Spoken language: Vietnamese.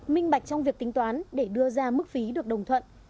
minh bạch trong việc tính toán để đưa ra mức phí được đồng thuận